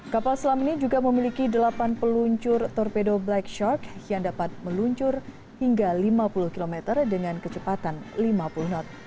kapal selam ini juga memiliki delapan peluncur torpedo black shark yang dapat meluncur hingga lima puluh km dengan kecepatan lima puluh knot